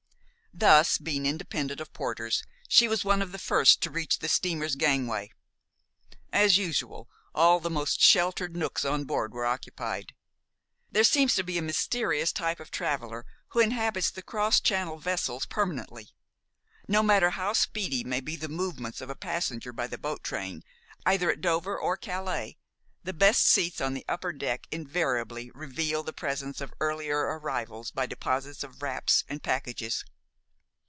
Thus, being independent of porters, she was one of the first to reach the steamer's gangway. As usual, all the most sheltered nooks on board were occupied. There seems to be a mysterious type of traveler who inhabits the cross Channel vessels permanently. No matter how speedy may be the movements of a passenger by the boat train, either at Dover or Calais, the best seats on the upper deck invariably reveal the presence of earlier arrivals by deposits of wraps and packages.